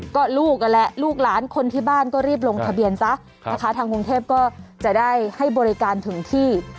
ก็ลูกนั่นแหละลูกหลานคนที่บ้านก็รีบลงทะเบียนซะนะคะทางกรุงเทพก็จะได้ให้บริการถึงที่